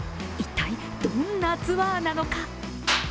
一体、どんなツアーなのか？